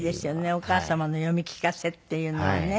お母様の読み聞かせっていうのはね。